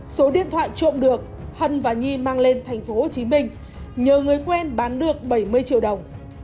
số điện thoại trộm được hân và nhi mang lên thành phố hồ chí minh nhờ người quen bán được bảy mươi triệu đồng